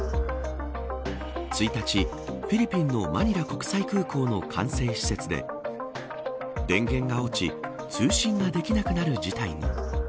１日、フィリピンのマニラ国際空港の管制施設で電源が落ち通信ができなくなる事態に。